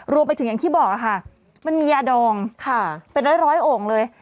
รวมไปถึงอย่างที่บอกค่ะมันมียาดองค่ะเป็นร้อยองค์เลย